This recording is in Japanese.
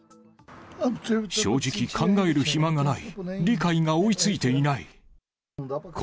正直、考える暇がない。